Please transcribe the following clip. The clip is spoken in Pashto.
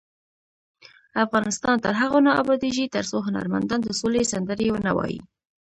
افغانستان تر هغو نه ابادیږي، ترڅو هنرمندان د سولې سندرې ونه وايي.